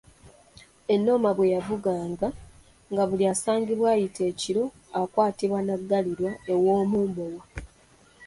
Ennoma bwe yavuganga, nga buli asangibwa ayita ekiro akwatibwa n'aggalirwa ew'Omumbowa.